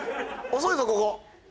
遅いぞここ。